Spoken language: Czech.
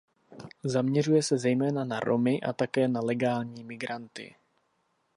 Zaměřuje se zejména na Romy a také na legální migranty.